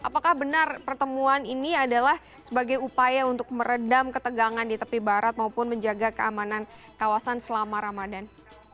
apakah benar pertemuan ini adalah sebagai upaya untuk meredam ketegangan di tepi barat maupun menjaga keamanan kawasan selama ramadan